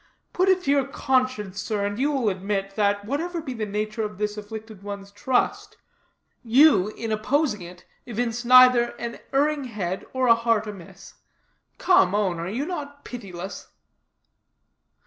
Put it to your conscience, sir, and you will admit, that, whatever be the nature of this afflicted one's trust, you, in opposing it, evince either an erring head or a heart amiss. Come, own, are you not pitiless?"